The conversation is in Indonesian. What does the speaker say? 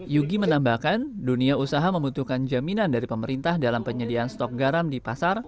yugi menambahkan dunia usaha membutuhkan jaminan dari pemerintah dalam penyediaan stok garam di pasar